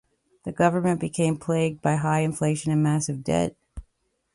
The government became plagued by high inflation and a massive debt.